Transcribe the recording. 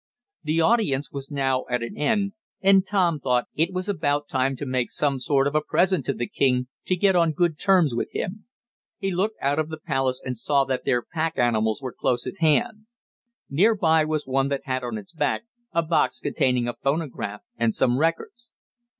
The audience was now at an end, and Tom thought it was about time to make some sort of a present to the king to get on good terms with him. He looked out of the palace hut and saw that their pack animals were close at hand. Nearby was one that had on its back a box containing a phonograph and some records.